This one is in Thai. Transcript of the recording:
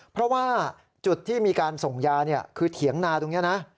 เพราะว่าจุดที่มีการส่งยาคือเถียงนาตรงนี้นะ